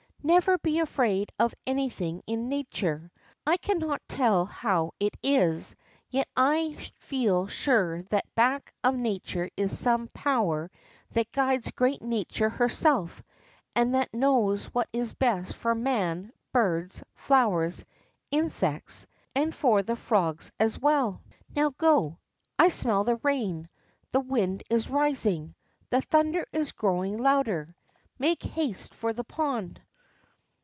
FTever be afraid of anything in Nature. I cannot tell how it is, yet I feel sure that back of Nature is some Power that guides great Nature herself, and that knows what is best for man, birds, flowers, insects, and for the frogs as well. Now go. I smell the rain, the wind is rising. THE GREAT STORM 101 the thunder is growing louder. Make haste for the pond.